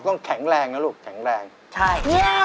ร็อกต้องแข็งแรงนะลูกแข็งแรงใช่